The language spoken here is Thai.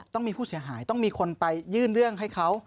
ต้องมีผู้เสียหายต้องมีคนไปยื่นเรื่องให้เขา